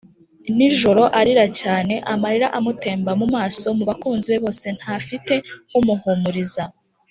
Nijoro arira cyane, Amarira amutemba mu maso, Mu bakunzi be bose ntafite umuhumuriza.